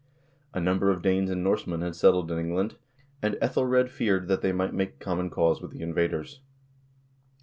A number of Danes and Norsemen had settled in England, and iEthelred feared that they might make common cause with the invaders.